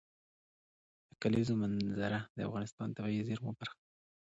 د کلیزو منظره د افغانستان د طبیعي زیرمو برخه ده.